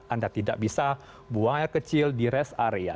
anda tidak bisa buang air kecil di rest area